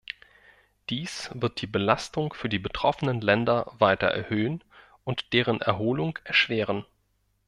Dies wird die Belastung für die betroffenen Länder weiter erhöhen und deren Erholung erschweren.